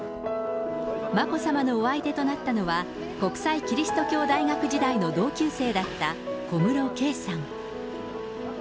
眞子さまのお相手となったのは、国際基督教大学時代の同級生だった小室圭さん。